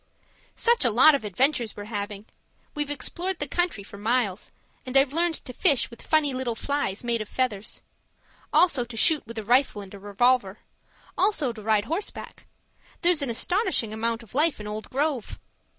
Such a lot of adventures we're having! We've explored the country for miles, and I've learned to fish with funny little flies made of feathers. Also to shoot with a rifle and a revolver. Also to ride horseback there's an astonishing amount of life in old Grove.